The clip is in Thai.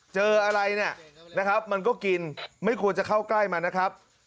เจออะไรเนี่ยนะครับมันก็กินไม่ควรจะเข้าใกล้มันนะครับ